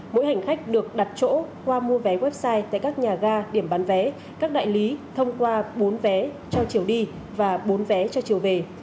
mỗi hành khách được đặt chỗ qua mua vé website tại các nhà ga điểm bán vé các đại lý thông qua bốn vé cho chiều đi và bốn vé cho chiều về